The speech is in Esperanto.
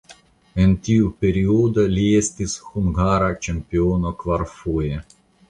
En tiu periodo li estis hungara ĉampiono kvarfoje.